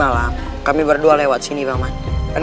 rai rara santan